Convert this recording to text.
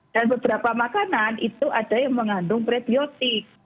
dan beberapa makanan itu ada yang mengandung prebiotik